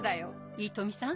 飯富さん？